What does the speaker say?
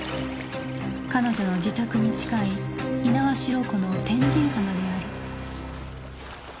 彼女の自宅に近い猪苗代湖の天神浜である